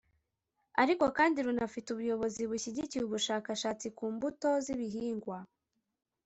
ariko kandi runafite ubuyobozi bushyigikiye ubushakashatsi ku mbuto z’ibihingwa”